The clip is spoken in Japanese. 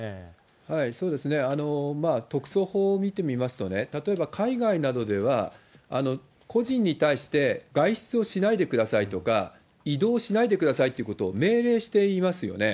そうですね、特措法を見てみますと、例えば海外などでは、個人に対して外出をしないでくださいとか、移動しないでくださいってことを命令していますよね。